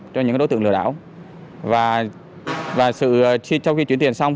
cho những đối tượng lừa đảo và sau khi chuyển tiền xong